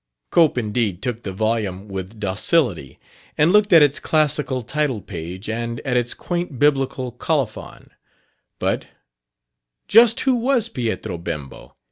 Cope indeed took the volume with docility and looked at its classical title page and at its quaint Biblical colophon; but, "Just who was 'Pietro Bembo'?"